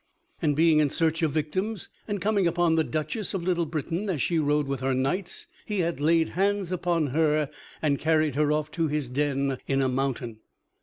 And being in search of victims, and coming upon the Duchess of Little Britain as she rode with her knights, he had laid hands upon her and carried her off to his den in a mountain.